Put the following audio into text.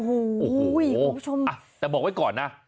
โอ้โหแต่บอกไว้ก่อนนะ